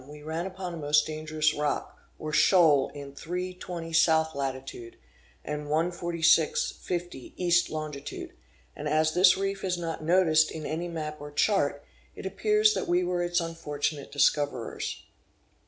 we ran upon a most dangerous rock, or shoal in 3 20 south latitude, and 146 50 east longitude, and as this reef is not noticed in any map or chart, it appears that we were its unfortunate discoverers.